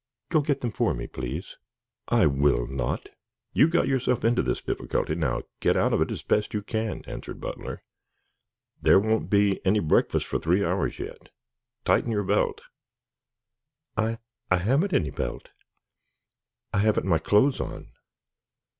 Go get them for me, please." "I will not. You got yourself into this difficulty, now get out of it as best you may," answered Butler. "There won't be any breakfast for three hours yet. Tighten your belt." "I I haven't any belt. I haven't my clothes on."